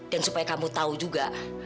dan supaya kamu tau juga